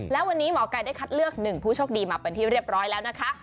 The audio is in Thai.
และวันนี้หมอไก่ได้คัดเลือก๑ผู้โชคดีมาเป็นที่เรียบร้อยแล้วนะคะ